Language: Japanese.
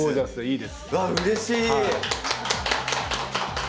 うわっうれしい！